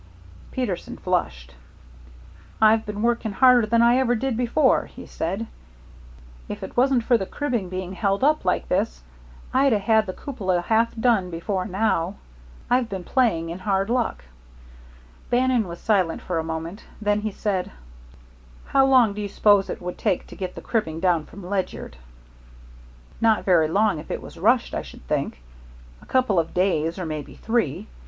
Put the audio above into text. Peterson flushed. "I've been working harder than I ever did before," he said. "If it wasn't for the cribbing being held up like this, I'd 'a' had the cupola half done before now. I've been playing in hard luck." Bannon was silent for a moment, then he said: "How long do you suppose it would take to get the cribbing down from Ledyard?" "Not very long if it was rushed, I should think a couple of days, or maybe three.